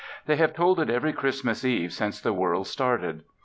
They have told it every Christmas Eve since the world started.